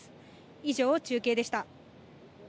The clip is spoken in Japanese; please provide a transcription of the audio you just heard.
以上、中継でした。